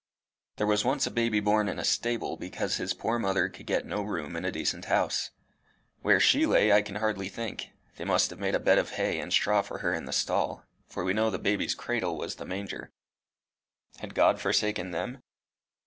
There was once a baby born in a stable, because his poor mother could get no room in a decent house. Where she lay I can hardly think. They must have made a bed of hay and straw for her in the stall, for we know the baby's cradle was the manger. Had God forsaken them?